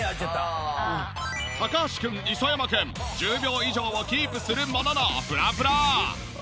高橋くん磯山くん１０秒以上をキープするもののフラフラ。